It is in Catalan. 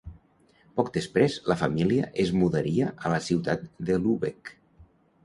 Poc després, la família es mudaria a la ciutat de Lübeck.